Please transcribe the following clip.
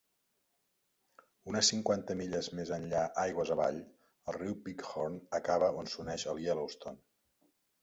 Unes cinquanta milles més enllà aigües avall, el riu Bighorn acaba on s'uneix al Yellowstone.